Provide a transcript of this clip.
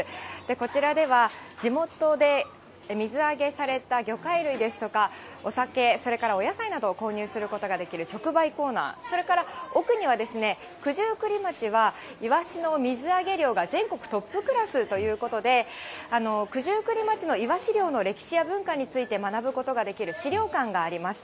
こちらでは地元で水揚げされた魚介類ですとか、お酒、それからお野菜などを購入することができる直売コーナー、それから奥にはですね、九十九里町はイワシの水揚げ量が全国トップクラスということで、九十九里町のイワシ漁の歴史や文化について学ぶことができる資料館があります。